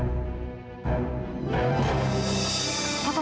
po kongangan itu gue aja